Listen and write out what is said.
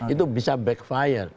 itu bisa backfire